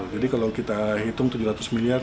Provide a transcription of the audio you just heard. jadi kalau kita hitung tujuh ratus miliar